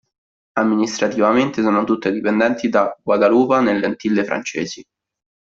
Amministrativamente sono tutte dipendenti da Guadalupa, nelle Antille Francesi.